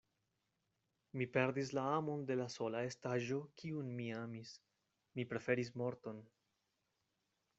Mi perdis la amon de la sola estaĵo, kiun mi amis; mi preferis morton.